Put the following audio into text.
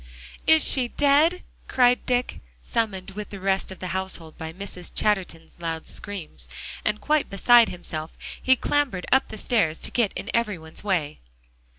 "Is she dead?" cried Dick, summoned with the rest of the household by Mrs. Chatterton's loud screams, and quite beside himself, he clambered up the stairs to get in every one's way.